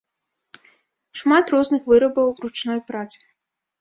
Шмат розных вырабаў ручной працы.